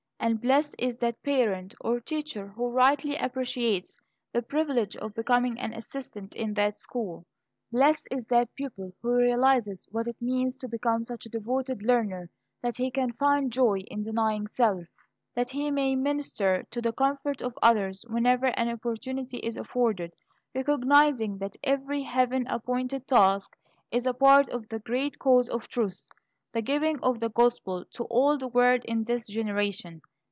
And blessed is that parent or teacher who rightly appreciates the privilege of becoming an assistant in that school. Blessed is that pupil who realizes what it means to become such a devoted learner that he can find joy in denying self that he may minister to the comfort of others whenever an opportunity is afforded, recognizing that every heaven appointed task is a part of the great cause of truth the giving of the "gospel to all the world in this generation."